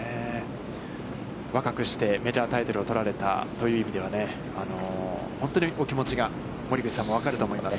若くしてメジャータイトルを取られたという意味では、本当にお気持ちが森口さんも分かると思います。